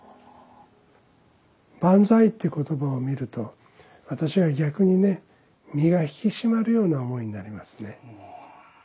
「万歳」っていう言葉を見ると私は逆にね身が引き締まるような思いになりますね。